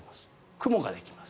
雲ができます。